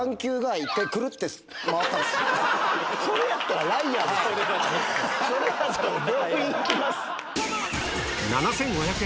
それやったらライアーです。